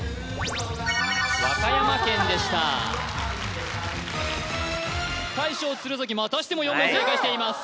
和歌山県でした大将・鶴崎またしても４問正解しています